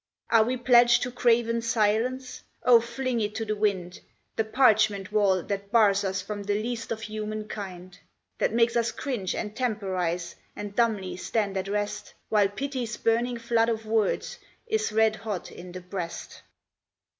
Are we pledged to craven silence? O fling it to the wind, The parchment wall that bars us from the least of human kind, That makes us cringe and temporize, and dumbly stand at rest, While Pity's burning flood of words is red hot in the breast!